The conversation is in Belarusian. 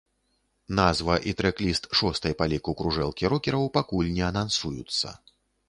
Назва і трэк-ліст шостай па ліку кружэлкі рокераў пакуль не анансуюцца.